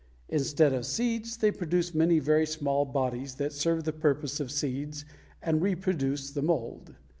Instead of seeds they produce many very small bodies that serve the purpose of seeds and reproduce the mold.